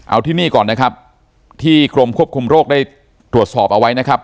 เอาที่นี่ก่อนนะครับที่กรมควบคุมโรคได้ตรวจสอบเอาไว้นะครับ